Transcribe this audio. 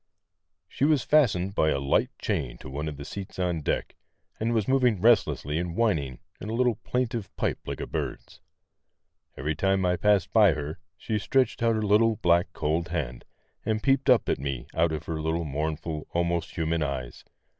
She was fastened by a light chain to one of the seats on deck, and was moving restlessly and whining in a little plaintive pipe like a bird's. Every time I passed by her she stretched out her little, black, cold hand, and peeped up at me out of her little mournful, almost human eyes.